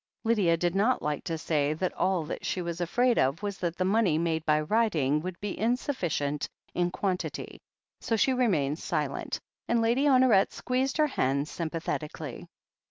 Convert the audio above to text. Lydia did not like to say that all that she was afraid of was that the money made by writing would be in sufficient in quantity, so she remained silent, and Lady Honoret squeezed her hand sympathetically.